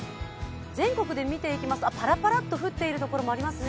全国で見ていきますと、パラパラと降っている所もありますね。